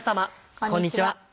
こんにちは。